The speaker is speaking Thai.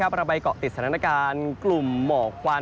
ประบายเกาะติดสถานการณ์กลุ่มหมอกวาน